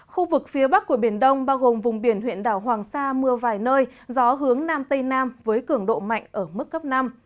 khu vực phía bắc của biển đông bao gồm vùng biển huyện đảo hoàng sa mưa vài nơi gió hướng nam tây nam với cường độ mạnh ở mức cấp năm